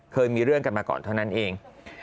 เคยมีเรื่องกันมาก่อนเท่านั้นเอง